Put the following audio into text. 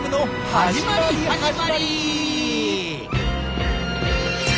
始まり始まり！